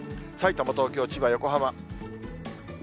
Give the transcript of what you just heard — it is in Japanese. さいたま、東京、千葉、横浜。